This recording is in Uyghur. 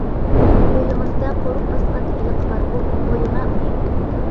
ئۆيىڭىزدە قورۇق باسقان ھېلىقى بارغۇ؟ —قويۇڭە ئۇنى.